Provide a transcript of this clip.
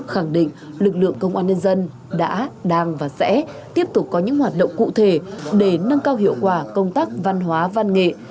khẳng định lực lượng công an nhân dân đã đang và sẽ tiếp tục có những hoạt động cụ thể để nâng cao hiệu quả công tác văn hóa văn nghệ